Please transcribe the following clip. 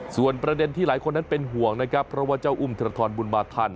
ส่วนประเด็นที่หลายคนนั้นเป็นห่วงนะครับเพราะว่าเจ้าอุ้มธนทรบุญมาทัน